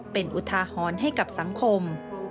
เป็นอุทาหรณ์ให้กับสังคม